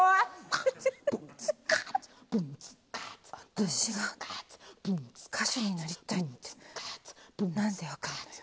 私が歌手になりたいってなんでわかるのよ。